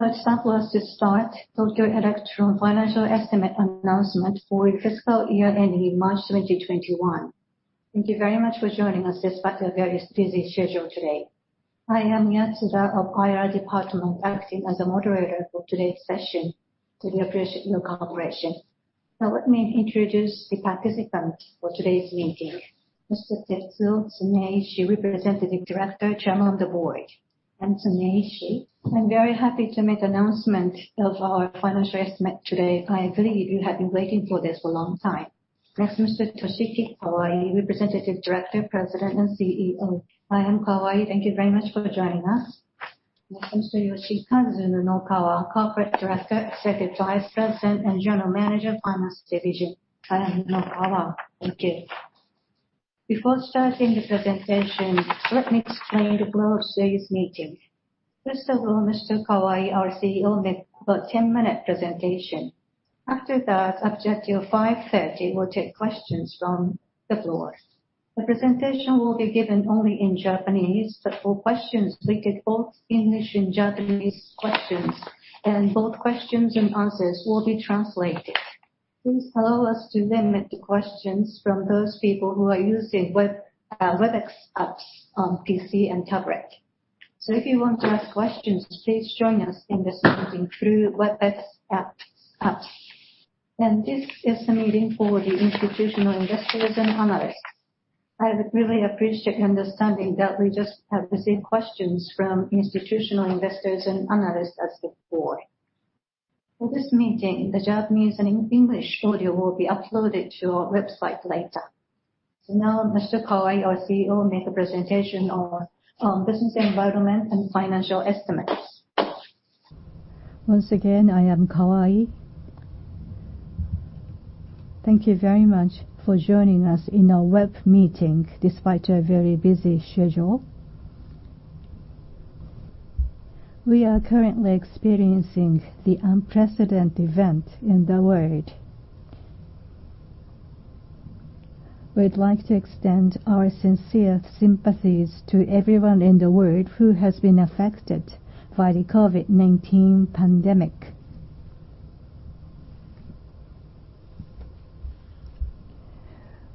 Let's start. Tokyo Electron financial estimate announcement for the fiscal year ending March 2021. Thank you very much for joining us despite your very busy schedule today. I am Yatsuda of IR Department, acting as a moderator for today's session. Really appreciate your cooperation. Now, let me introduce the participants for today's meeting. Mr. Tetsuo Tsuneishi, Representative Director, Chairman of the Board. Thank you, Tsuneishi. I'm very happy to make announcement of our financial estimate today. I believe you have been waiting for this a long time. Next, Mr. Toshiki Kawai, Representative Director, President and CEO. Hi, Kawai. Thank you very much for joining us. Next, Mr. Yoshikazu Nunokawa, Corporate Director, Executive Vice President and General Manager of Finance Division. Hi, Nunokawa. Thank you. Before starting the presentation, let me explain the flow of today's meeting. First of all, Mr. Kawai, our CEO, make about a 10-minute presentation. After that, up until 5:30, we'll take questions from the floor. The presentation will be given only in Japanese, but for questions, we take both English and Japanese questions, and both questions and answers will be translated. Please allow us to limit the questions from those people who are using Webex apps on PC and tablet. If you want to ask questions, please join us in this meeting through Webex apps. This is a meeting for the institutional investors and analysts. I really appreciate your understanding that we just have received questions from institutional investors and analysts as before. For this meeting, the Japanese and English audio will be uploaded to our website later. Now, Mr. Kawai, our CEO, make a presentation on business environment and financial estimates. Once again, I am Kawai. Thank you very much for joining us in our web meeting, despite your very busy schedule. We are currently experiencing the unprecedented event in the world. We'd like to extend our sincere sympathies to everyone in the world who has been affected by the COVID-19 pandemic.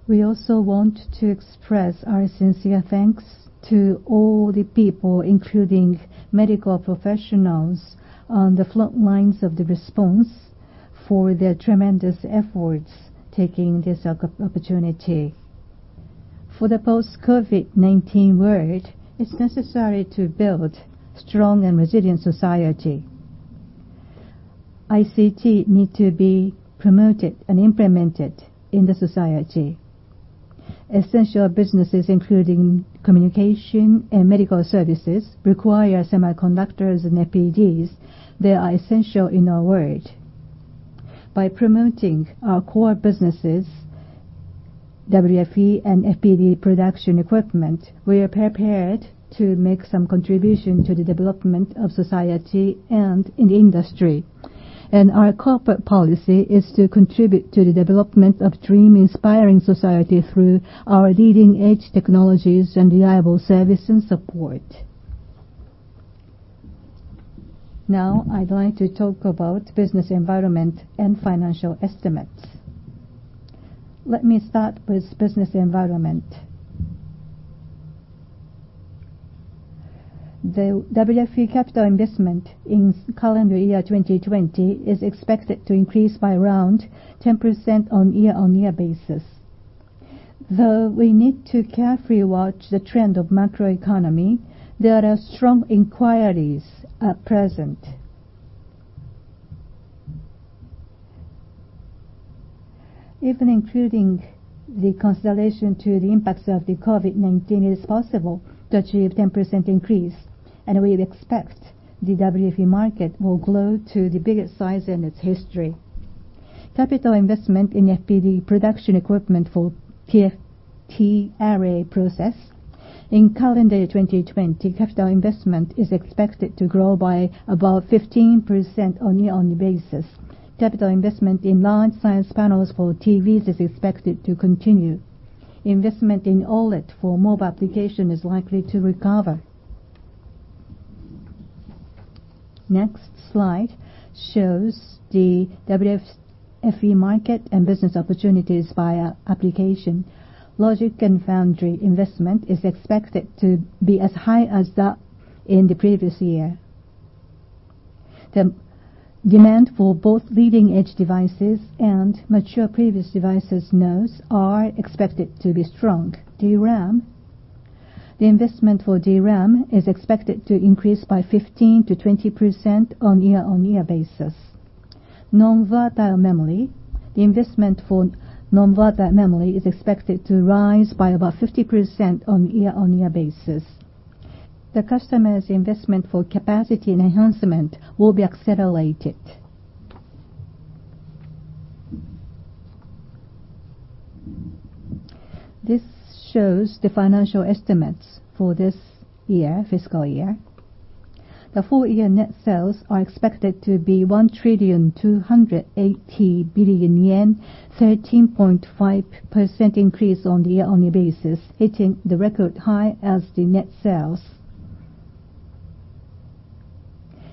We also want to express our sincere thanks to all the people, including medical professionals on the front lines of the response, for their tremendous efforts, taking this opportunity. For the post-COVID-19 world, it's necessary to build strong and resilient society. ICT need to be promoted and implemented in the society. Essential businesses, including communication and medical services, require semiconductors and FPDs. They are essential in our world. By promoting our core businesses, WFE and FPD production equipment, we are prepared to make some contribution to the development of society and in the industry. Our corporate policy is to contribute to the development of dream-inspiring society through our leading-edge technologies and reliable service and support. Now, I'd like to talk about business environment and financial estimates. Let me start with business environment. The WFE capital investment in calendar year 2020 is expected to increase by around 10% on year-on-year basis. Though we need to carefully watch the trend of macroeconomy, there are strong inquiries at present. Even including the consideration to the impacts of the COVID-19, it is possible to achieve 10% increase, and we expect the WFE market will grow to the biggest size in its history. Capital investment in FPD production equipment for TFT array process in calendar year 2020, capital investment is expected to grow by about 15% on year-on-year basis. Capital investment in large-size panels for TVs is expected to continue. Investment in OLED for mobile application is likely to recover. Next slide shows the WFE market and business opportunities via application. Logic and foundry investment is expected to be as high as that in the previous year. The demand for both leading-edge devices and mature previous devices nodes are expected to be strong. DRAM, the investment for DRAM is expected to increase by 15%-20% on year-on-year basis. Non-volatile memory, the investment for non-volatile memory is expected to rise by about 50% on year-on-year basis. The customer's investment for capacity and enhancement will be accelerated. This shows the financial estimates for this year, fiscal year. The full year net sales are expected to be 1,280 billion yen, 13.5% increase on year-on-year basis, hitting the record high as the net sales.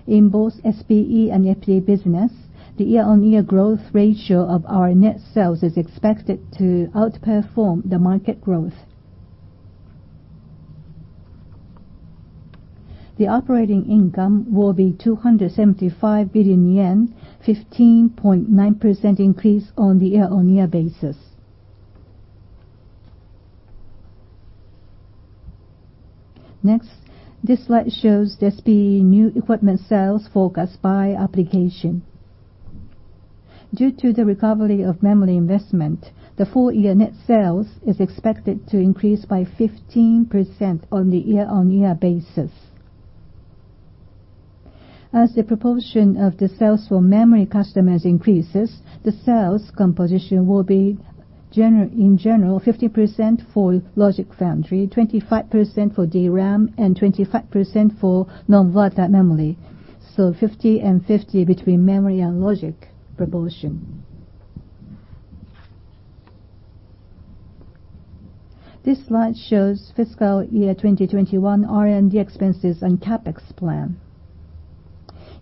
In both SPE and FPD business, the year-on-year growth ratio of our net sales is expected to outperform the market growth. The operating income will be 275 billion yen, 15.9% increase on the year-on-year basis. This slide shows the SPE new equipment sales forecast by application. Due to the recovery of memory investment, the full year net sales is expected to increase by 15% on the year-on-year basis. As the proportion of the sales for memory customers increases, the sales composition will be, in general, 50% for logic foundry, 25% for DRAM, and 25% for non-volatile memory. 50% and 50% between memory and logic proportion. This slide shows fiscal year 2021 R&D expenses and CapEx plan.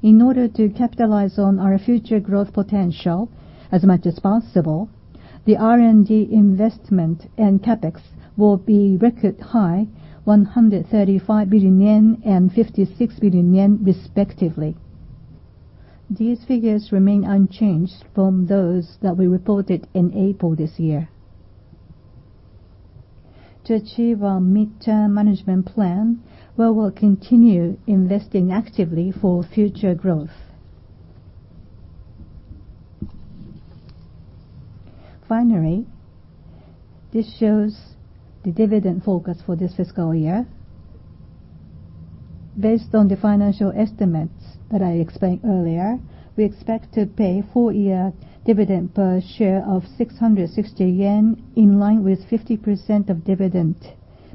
In order to capitalize on our future growth potential as much as possible, the R&D investment and CapEx will be record high, 135 billion yen and 56 billion yen respectively. These figures remain unchanged from those that we reported in April this year. To achieve our midterm management plan, we will continue investing actively for future growth. Finally, this shows the dividend focus for this fiscal year. Based on the financial estimates that I explained earlier, we expect to pay full year dividend per share of 660 yen, in line with 50% of dividend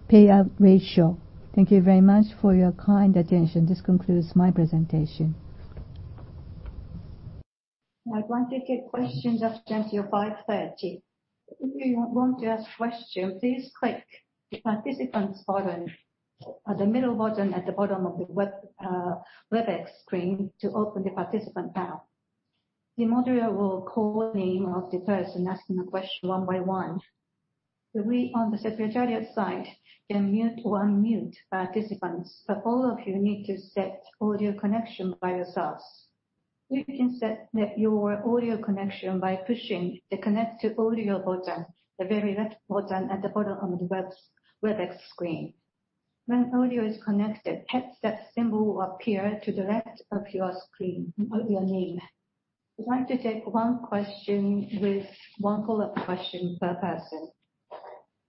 payout ratio. Thank you very much for your kind attention. This concludes my presentation. I'd like to take questions up until 5:30. If you want to ask questions, please click the Participants button, the middle button at the bottom of the Webex screen to open the participant panel. The moderator will call the name of the person asking the question one by one. We, on the secretariat side, can mute or unmute participants, but all of you need to set audio connection by yourselves. You can set your audio connection by pushing the Connect to Audio button, the very left button at the bottom of the Webex screen. When audio is connected, headset symbol will appear to the left of your screen, above your name. We'd like to take one question with one follow-up question per person.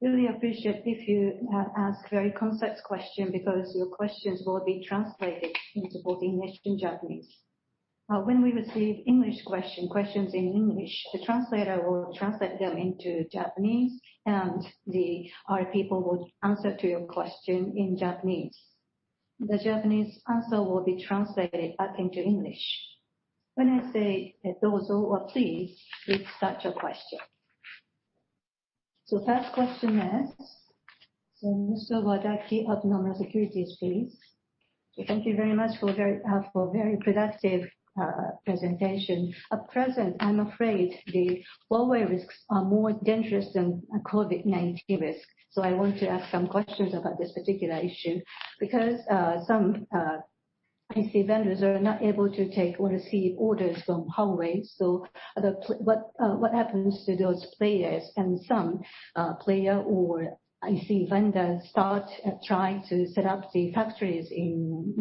Really appreciate if you ask very concise question because your questions will be translated into both English and Japanese. When we receive questions in English, the translator will translate them into Japanese, and our people will answer to your question in Japanese. The Japanese answer will be translated back into English. When I say, "Dōzo," or please start your question. First question is from Mr. Wadaki of Nomura Securities, please. Thank you very much for a very productive presentation. At present, I'm afraid the Huawei risks are more dangerous than COVID-19 risk. I want to ask some questions about this particular issue. Because some IC vendors are not able to take or receive orders from Huawei. What happens to those players? Some player or IC vendors start trying to set up the factories in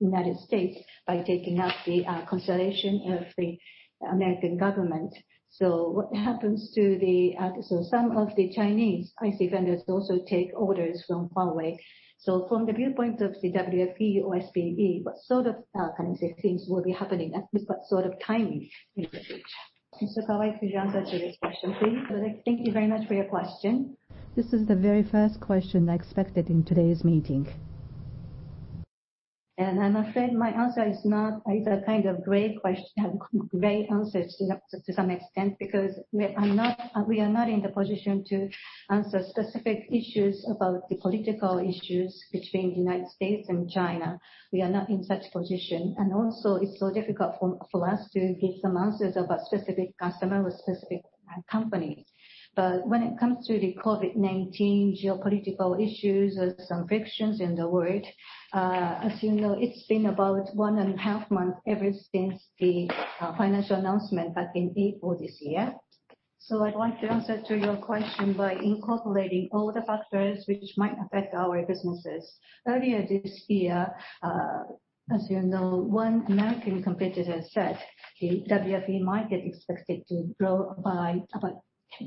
U.S. by taking up the consultation of the American government. Some of the Chinese IC vendors also take orders from Huawei. From the viewpoint of the WFE or SPE, what sort of kinds of things will be happening, and with what sort of timing in the future? Mr. Kawai, could you answer to this question, please? Thank you very much for your question. This is the very first question I expected in today's meeting. I'm afraid my answer is a kind of gray answer to some extent, because we are not in the position to answer specific issues about the political issues between the U.S. and China. We are not in such position. Also, it's so difficult for us to give some answers about specific customer or specific companies. When it comes to the COVID-19 geopolitical issues or some frictions in the world, as you know, it's been about one and a half month ever since the financial announcement back in April this year. I'd like to answer to your question by incorporating all the factors which might affect our businesses. Earlier this year, as you know, one American competitor said the WFE market expected to grow by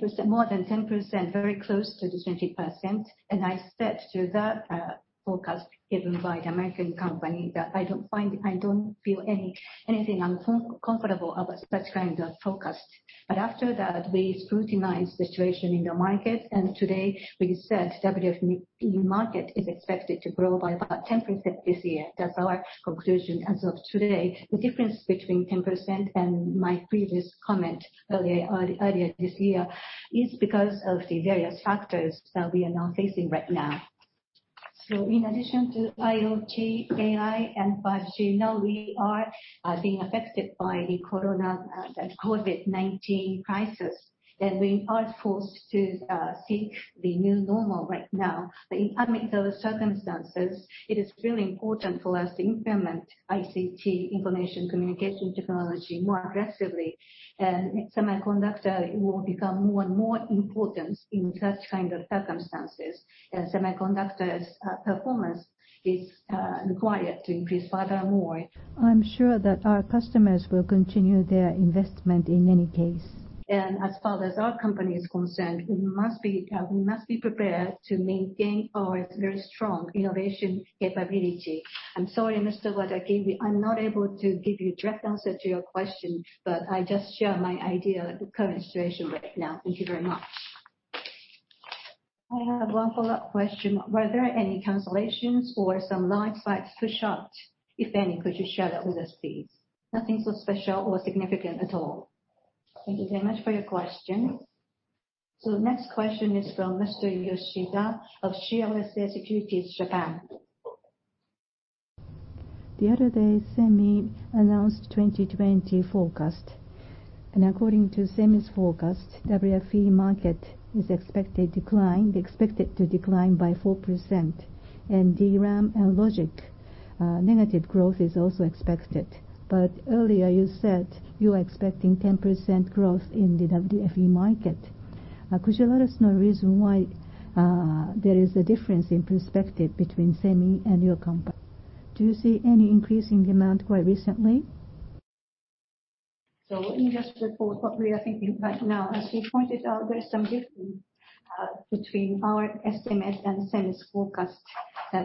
about more than 10%, very close to 20%. I said to that forecast given by the American company, that I don't feel anything uncomfortable about such kind of forecast. After that, we scrutinized the situation in the market, and today we said WFE market is expected to grow by about 10% this year. That's our conclusion as of today. The difference between 10% and my previous comment earlier this year is because of the various factors that we are now facing right now. In addition to IoT, AI, and 5G, now we are being affected by the COVID-19 crisis, and we are forced to seek the new normal right now. Amid those circumstances, it is really important for us to implement ICT, information communication technology, more aggressively. Semiconductor will become more and more important in such kind of circumstances, as semiconductor's performance is required to increase further more. I'm sure that our customers will continue their investment, in any case. As far as our company is concerned, we must be prepared to maintain our very strong innovation capability. I'm sorry, Mr. Wada, I'm not able to give you direct answer to your question, but I just share my idea of the current situation right now. Thank you very much. I have one follow-up question. Were there any cancellations or some light slides pushed out? If any, could you share that with us, please? Nothing so special or significant at all. Thank you very much for your question. The next question is from Mr. Yoshida of CLSA Securities Japan. The other day, SEMI announced 2020 forecast, and according to SEMI's forecast, WFE market is expected to decline by 4%, and DRAM and logic, negative growth is also expected. Earlier you said you are expecting 10% growth in the WFE market. Could you let us know reason why there is a difference in perspective between SEMI and your company? Do you see any increase in demand quite recently? In just report what we are thinking right now, as you pointed out, there is some difference between our estimate and SEMI's forecast,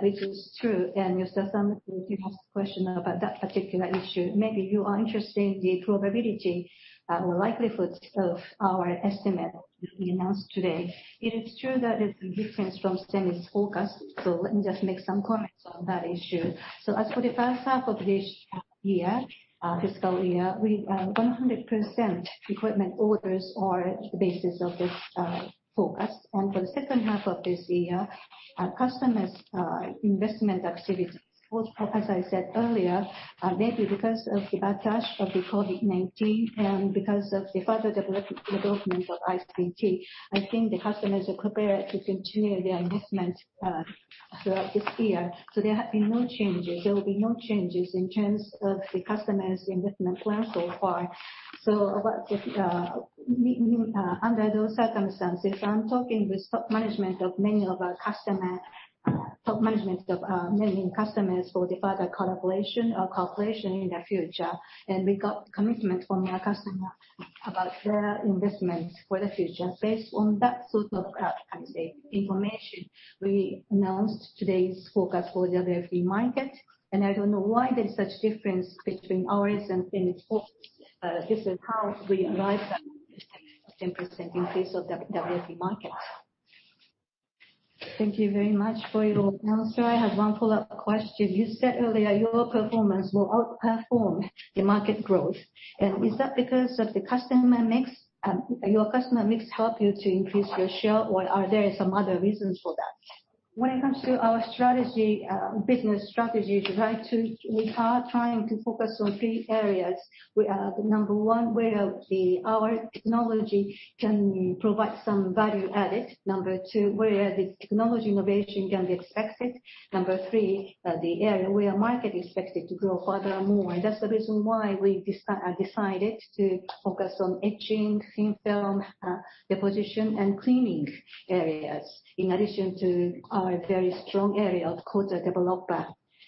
which is true, and Mr. Yoshida, you asked a question about that particular issue. Maybe you are interested in the probability or likelihood of our estimate that we announced today. It is true that there's a difference from SEMI's forecast, so let me just make some comments on that issue. As for the first half of this year, fiscal year, 100% equipment orders are the basis of this forecast. For the second half of this year, our customers' investment activities. As I said earlier, maybe because of the backlash of the COVID-19 and because of the further development of ICT, I think the customers are prepared to continue their investment throughout this year. There have been no changes. There will be no changes in terms of the customer's investment plan so far. Under those circumstances, I'm talking with top management of many customers for the further collaboration in the future, and we got commitment from their customer about their investment for the future. Based on that sort of, can I say, information, we announced today's forecast for WFE market, and I don't know why there's such difference between ours and SEMI's forecast. This is how we arrived at 10% increase of WFE market. Thank you very much for your answer. I have one follow-up question. You said earlier your performance will outperform the market growth. Is that because of your customer mix help you to increase your share, or are there some other reasons for that? When it comes to our business strategy, we are trying to focus on three areas. The number 1, where our technology can provide some value add. Number 2, where the technology innovation can be expected. Number 3, the area where market expected to grow further and more. That's the reason why we decided to focus on etching, thin film deposition, and cleaning areas, in addition to our very strong area of coater/developer.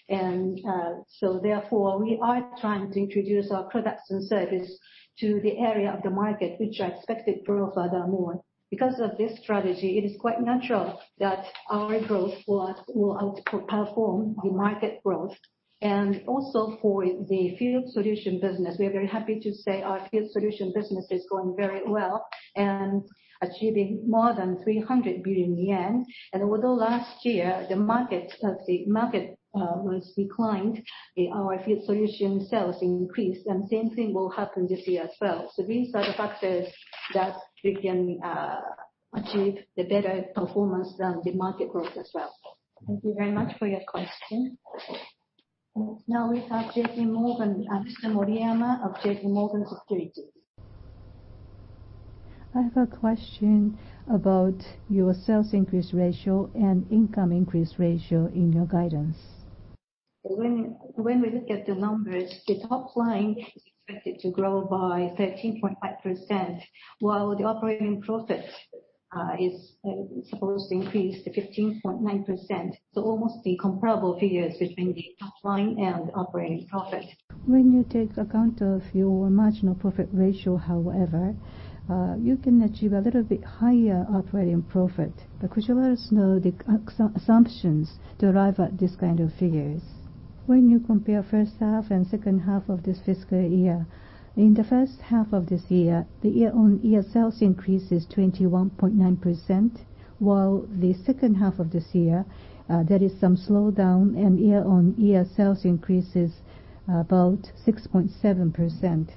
Therefore, we are trying to introduce our products and service to the area of the market which are expected to grow further more. Because of this strategy, it is quite natural that our growth will outperform the market growth. Also for the Field Solutions business, we are very happy to say our Field Solutions business is going very well and achieving more than 300 billion yen. Although last year, the market was declined, our Field Solutions sales increased, and same thing will happen this year as well. These are the factors that we can achieve the better performance than the market growth as well. Thank you very much for your question. Now we have JP Morgan, Mr. Maruyama of J.P. Morgan Securities. I have a question about your sales increase ratio and income increase ratio in your guidance. When we look at the numbers, the top line is expected to grow by 13.5%, while the operating profit is supposed to increase to 15.9%, almost the comparable figures between the top line and operating profit. When you take account of your marginal profit ratio, however, you can achieve a little bit higher operating profit. Could you let us know the assumptions to arrive at this kind of figures? When you compare first half and second half of this fiscal year, in the first half of this year, the year-on-year sales increase is 21.9%, while the second half of this year, there is some slowdown in year-on-year sales increases about 6.7%.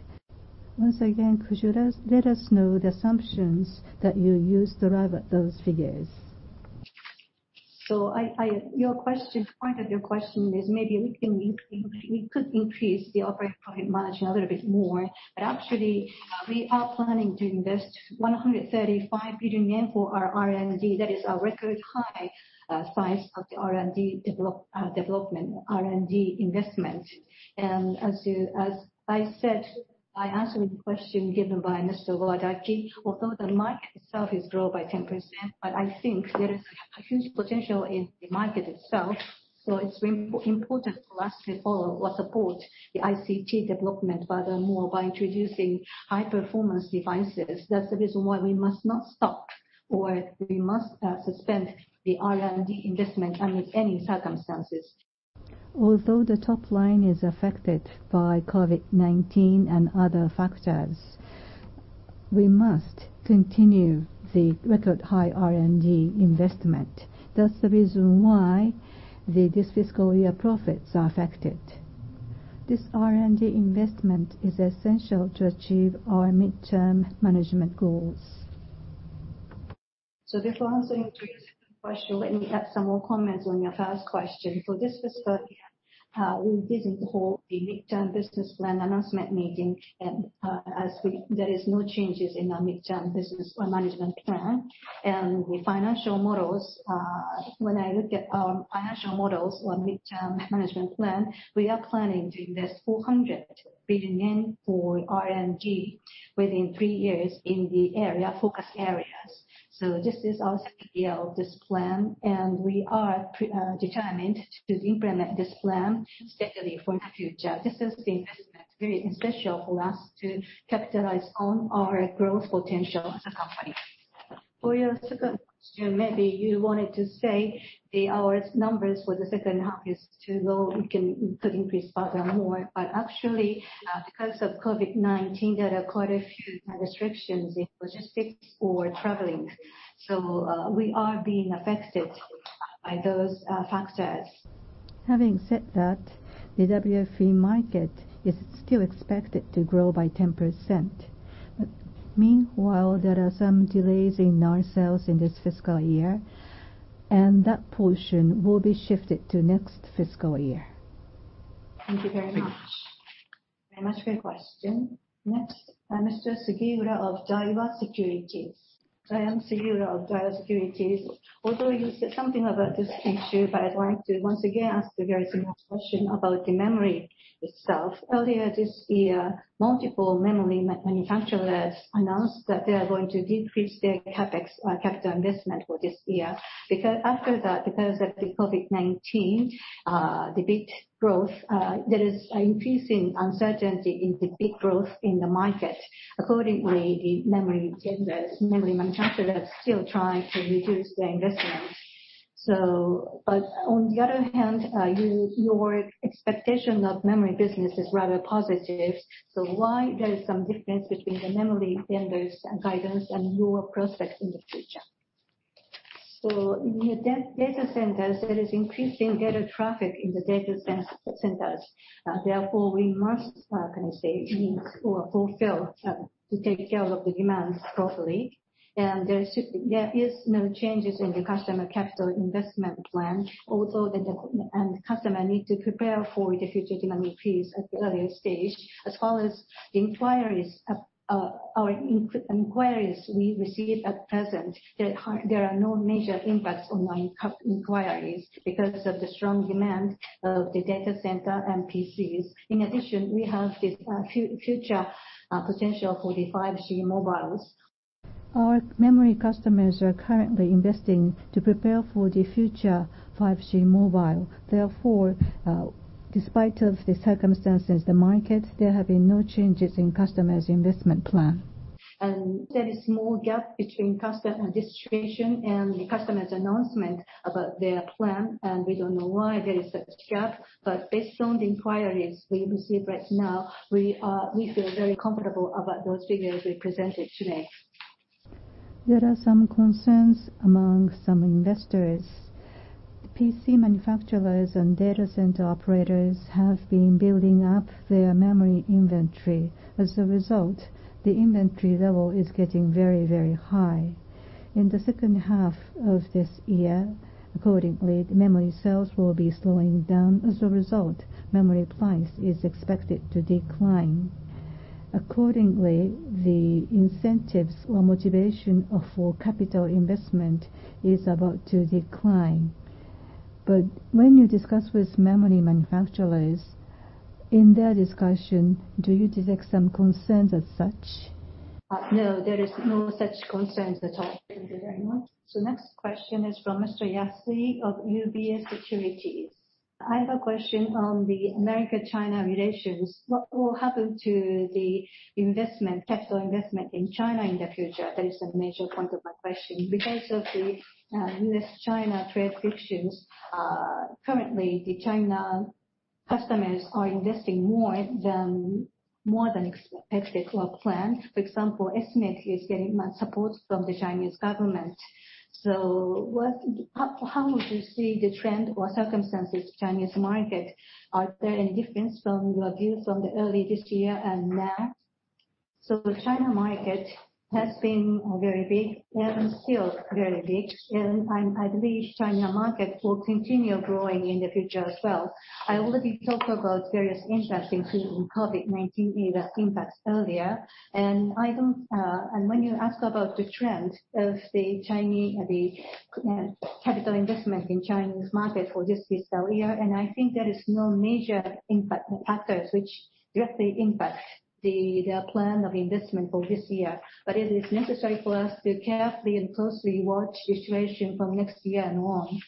Once again, could you let us know the assumptions that you used to arrive at those figures? Your question, part of your question is maybe we could increase the operating profit margin a little bit more, but actually, we are planning to invest 135 billion yen for our R&D. That is our record high size of the R&D development, R&D investment. As I said, I answered the question given by [Mr. Yoshioka], although the market itself has grown by 10%, but I think there is a huge potential in the market itself. It's important for us to follow what supports the ICT development, furthermore, by introducing high-performance devices. That's the reason why we must not stop, or we must not suspend the R&D investment under any circumstances. Although the top line is affected by COVID-19 and other factors, we must continue the record high R&D investment. That's the reason why this fiscal year profits are affected. This R&D investment is essential to achieve our midterm management goals. Before answering to your second question, let me add some more comments on your first question. For this first part, we didn't hold the midterm business plan announcement meeting, and there is no changes in our midterm business or management plan. The financial models, when I look at our financial models or midterm management plan, we are planning to invest 400 billion yen for R&D within three years in the focused areas. This is our CL, this plan, and we are determined to implement this plan steadily for the future. This is the investment really special for us to capitalize on our growth potential as a company. For your second question, maybe you wanted to say that our numbers for the second half is too low, we could increase further more, but actually, because of COVID-19, there are quite a few restrictions in logistics or traveling. We are being affected by those factors. Having said that, the WFE market is still expected to grow by 10%. Meanwhile, there are some delays in our sales in this fiscal year, and that portion will be shifted to next fiscal year. Thank you very much. Very much for your question. Next, Mr. Sugiura of Daiwa Securities. I am Sugiura of Daiwa Securities. Although you said something about this issue, but I'd like to once again ask a very similar question about the memory itself. Earlier this year, multiple memory manufacturers announced that they are going to decrease their CapEx, capital investment for this year. After that, because of the COVID-19, the bit growth, there is increasing uncertainty in the bit growth in the market. Accordingly, the memory vendors, memory manufacturers still trying to reduce their investment. On the other hand, your expectation of memory business is rather positive, so why there is some difference between the memory vendors' guidance and your prospects in the future? In data centers, there is increasing data traffic in the data centers. Therefore, we must, how can I say, fulfill to take care of the demands properly. There is no changes in the customer capital investment plan, although the customer need to prepare for the future demand increase at the earlier stage. As far as our inquiries we received at present, there are no major impacts on my inquiries because of the strong demand of the data center and PCs. In addition, we have the future potential for the 5G mobiles. Our memory customers are currently investing to prepare for the future 5G mobile. Therefore, despite of the circumstances, the markets, there have been no changes in customers' investment plan. There is small gap between customer and distribution and the customer's announcement about their plan, and we don't know why there is such gap. Based on the inquiries we receive right now, we feel very comfortable about those figures we presented today. There are some concerns among some investors. PC manufacturers and data center operators have been building up their memory inventory. As a result, the inventory level is getting very, very high. In the second half of this year, accordingly, the memory sales will be slowing down. As a result, memory price is expected to decline. Accordingly, the incentives or motivation for capital investment is about to decline. When you discuss with memory manufacturers, in their discussion, do you detect some concerns as such? No, there is no such concerns at all. Thank you very much. Next question is from Mr. Yasu of UBS Securities. I have a question on the America-China relations. What will happen to the investment, capital investment in China in the future? That is the major point of my question. Because of the U.S.-China trade frictions, currently the China customers are investing more than expected or planned. For example, SMIC is getting much support from the Chinese government. How would you see the trend or circumstances of Chinese market? Are there any difference from your view from the early this year and now? The China market has been very big and still very big, and I believe China market will continue growing in the future as well. I already talked about various impacts, including COVID-19 impacts earlier. When you ask about the trend of the capital investment in Chinese market for this fiscal year, I think there is no major impact factors which directly impact the plan of investment for this year. It is necessary for us to carefully and closely watch the situation from next year and on.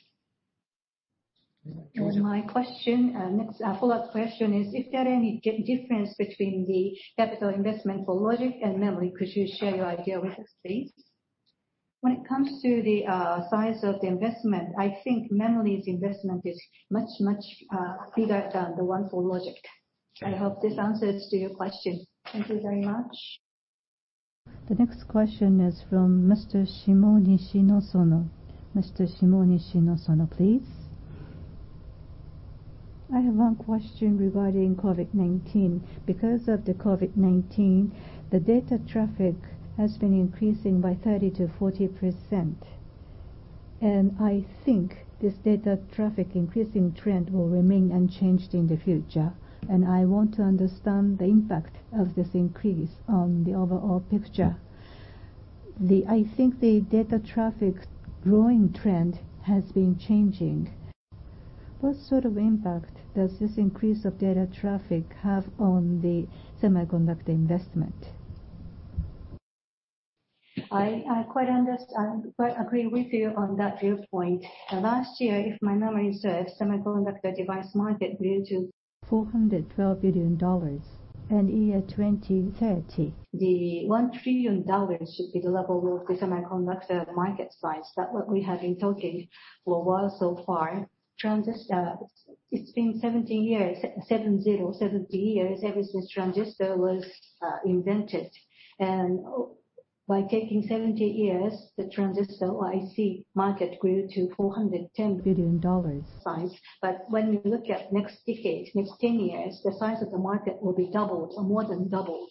My question, next follow-up question is, if there are any difference between the capital investment for logic and memory, could you share your idea with us, please? When it comes to the size of the investment, I think memory's investment is much, much bigger than the one for logic. I hope this answers to your question. Thank you very much. The next question is from [Mr. Shimo Nishino Sono]. Mr. Shimo Nishino Sono, please. I have one question regarding COVID-19. Because of the COVID-19, the data traffic has been increasing by 30%-40%, and I think this data traffic increasing trend will remain unchanged in the future, and I want to understand the impact of this increase on the overall picture. I think the data traffic growing trend has been changing. What sort of impact does this increase of data traffic have on the semiconductor investment? I quite agree with you on that viewpoint. Last year, if my memory serves, semiconductor device market grew to JPY 412 billion. Year 2030. The JPY 1 trillion should be the level of the semiconductor market size that what we have been talking for a while so far. It's been 70 years, seven-zero, 70 years ever since transistor was invented. By taking 70 years, the transistor IC market grew to JPY 410 billion size. When you look at next decade, next 10 years, the size of the market will be doubled or more than doubled.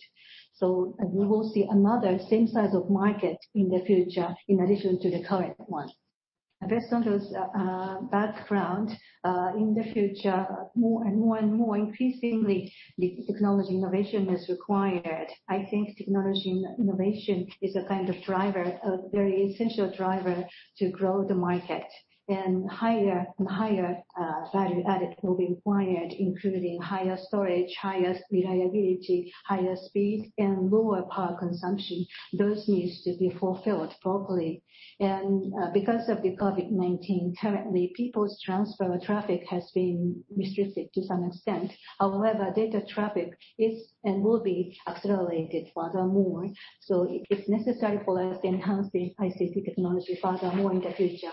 We will see another same size of market in the future in addition to the current one. Based on those background, in the future, more and more and more increasingly, the technology innovation is required. I think technology innovation is a kind of driver, a very essential driver to grow the market. Higher and higher value added will be required, including higher storage, higher reliability, higher speed, and lower power consumption. Those needs to be fulfilled properly. Because of the COVID-19, currently, people's transfer traffic has been restricted to some extent. However, data traffic is and will be accelerated furthermore. It's necessary for us to enhance the ICT technology furthermore in the future.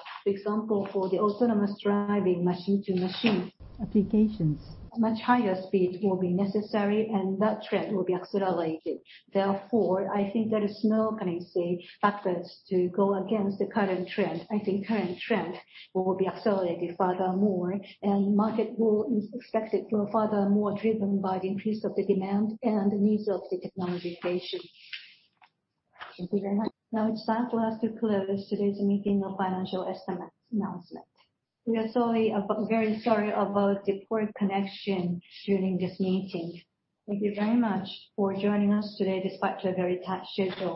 For example, for the autonomous driving machine to machine applications much higher speed will be necessary and that trend will be accelerated. I think there is no, can I say, factors to go against the current trend. I think current trend will be accelerated furthermore, market is expected to go furthermore driven by the increase of the demand and the needs of the technology innovation. Thank you very much. Now it's time for us to close today's meeting of financial estimates announcement. We are very sorry about the poor connection during this meeting. Thank you very much for joining us today despite your very tight schedule.